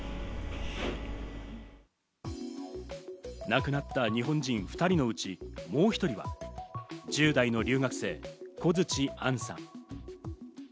亡くなった日本人２人のうち、もう１人は、１０代の留学生、小槌杏さん。